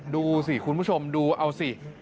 ดูสิคุณผู้ชมดูเอาสิ